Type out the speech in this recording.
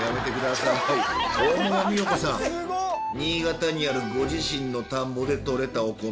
新潟にあるご自身の田んぼで取れたお米。